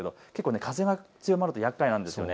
風が強まるとやっかいなんです。